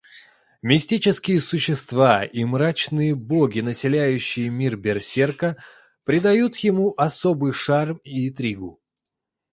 Мистические существа и мрачные боги, населяющие мир Берсерка, придают ему особый шарм и интригу.